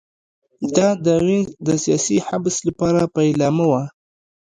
دا د وینز د سیاسي حبس لپاره پیلامه وه